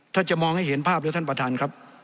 ถ้าจะมองให้เห็นภาพเด็กท่านบทรัฐครับ